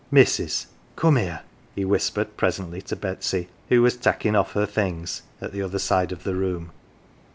" Missus, come here," he whispered presently to Betsy, who was " taking off her things " at the other side of the room.